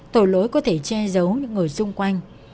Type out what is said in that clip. tội lỗi có thể che giấu những người xung quanh